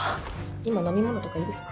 今飲み物とかいいですか？